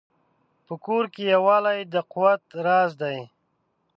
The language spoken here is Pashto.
په کور کې یووالی د قوت راز دی.